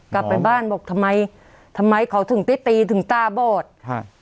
กลับไปบ้านบอกทำไมทำไมเขาถึงได้ตีถึงตาบอดฮะ